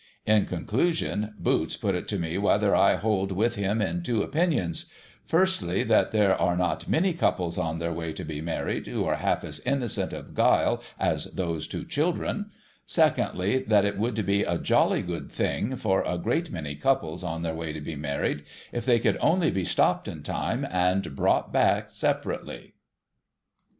In conclusion. Boots put it to me whether I hold with him in two opinions : firstly, that there are not many couples on their way to be married who are half as innocent of guile as those two children ; secondly, that it would be a jolly good thing for a great many couples on their way to be married, if they could only be stopped in time, and brought back separately.